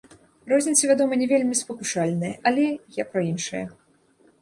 Розніца, вядома, не вельмі спакушальная, але я пра іншае.